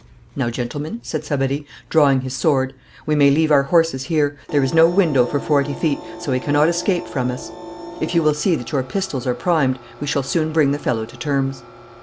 'Now, gentlemen,' said Savary, drawing his sword, 'we may leave our horses here. There is no window for forty feet, so he cannot escape from us. If you will see that your pistols are primed, we shall soon bring the fellow to terms.'